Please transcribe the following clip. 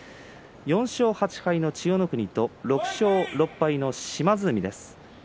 ４勝８敗の千代の国と６勝６敗の島津海です。